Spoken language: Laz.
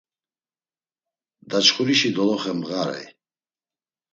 Daçxurişi doloxe mğarey.